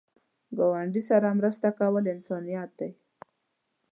ګاونډي سره مرسته کول انسانیت دی